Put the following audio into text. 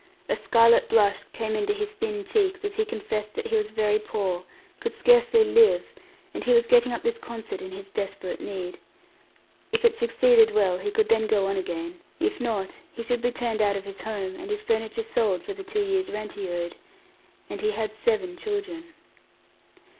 A scarlet blush came into his thin cheeks as he confessed that he was very poor, could scarcely live, and he was getting up this concert in his desperate need. If it succeeded well, he could then go on again; if not, he should be turned out of his home, and his furniture sold for the two years' rent he owed and he had seven children.